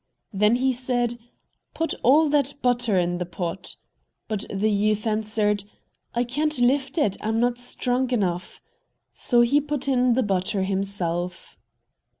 Then he said, "Put all that butter in the pot;" but the youth answered, "I can't lift it; I'm not strong enough." So he put in the butter himself.